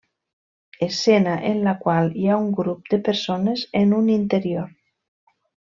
Escena en la qual hi ha un grup de persones en un interior.